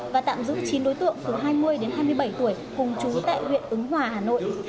và tạm giữ chín đối tượng từ hai mươi đến hai mươi bảy tuổi cùng chú tại huyện ứng hòa hà nội